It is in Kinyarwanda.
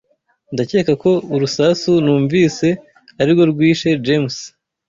Ndakeka ko urusasu numvise arirwo rwishe James.